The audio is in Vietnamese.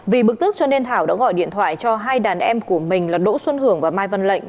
vì bực tức cho nên thảo đã gọi điện thoại cho hai đàn em của mình là đỗ xuân hưởng và mai văn lệnh